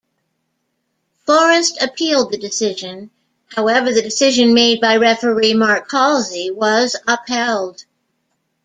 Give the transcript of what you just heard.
Forest appealed the decision, however the decision made by referee Mark Halsey was upheld.